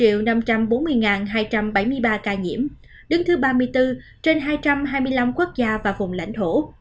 việt nam đã ghi nhận hai trăm bảy mươi ba ca nhiễm đứng thứ ba mươi bốn trên hai trăm hai mươi năm quốc gia và vùng lãnh thổ